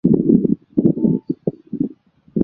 剩余的矮人七戒则被龙烧毁或重新落入索伦手中。